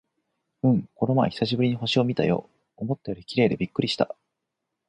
うん、この前久しぶりに星を見たよ。思ったより綺麗でびっくりした！